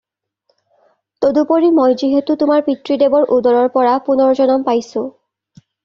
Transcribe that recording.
তদুপৰি মই যিহেতু তোমাৰ পিতৃদেৱৰ উদৰৰ পৰা পুনৰ্জনম পাইছোঁ।